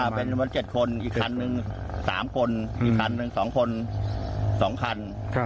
ก็เป็นละเจ็ดคนอีกคันหนึ่งสามคนอีกคันหนึ่งสองคนสองคัน